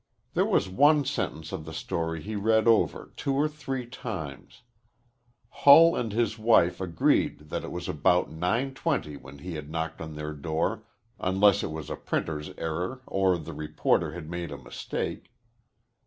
There was one sentence of the story he read over two or three times. Hull and his wife agreed that it was about 9.20 when he had knocked on their door, unless it was a printer's error or the reporter had made a mistake.